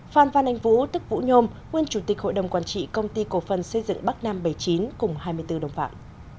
phan văn anh vũ tức vũ nhôm nguyên chủ tịch hội đồng quản trị công ty cổ phần xây dựng bắc nam bảy mươi chín cùng hai mươi bốn đồng phạm